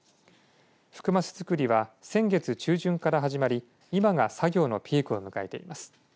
福升作りは先月中旬から始まり今が作業のピークを迎えています。